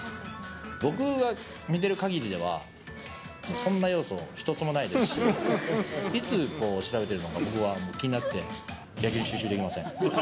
僕が見てるかぎりでは、そんな要素一つもないですし、いつ、調べてるのか、僕はもう気になって、野球に集中できません。